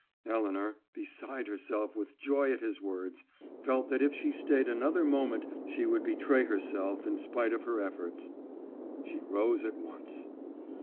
Elinor, beside herself with joy at his words, felt that if she stayed another moment she would betray herself in spite of her efforts. She rose at once.